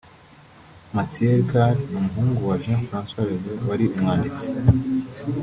Matthieu Ricard ni umuhungu wa Jean-François Revel wari umwanditsi